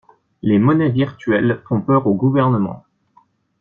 Les monnaies virtuelles font peur aux gouvernements.